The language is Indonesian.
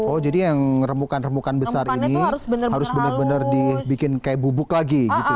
oh jadi yang remukan remukan besar ini harus benar benar dibikin kayak bubuk lagi gitu